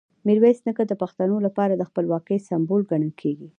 میرویس نیکه د پښتنو لپاره د خپلواکۍ سمبول ګڼل کېږي.